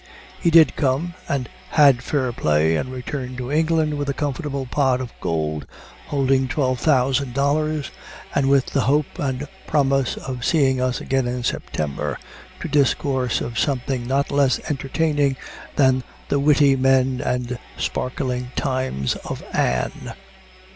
He did come, and had fair play, and returned to England with a comfortable pot of gold holding $12,000, and with the hope and promise of seeing us again in September, to discourse of something not less entertaining than the witty men and sparkling times of Anne.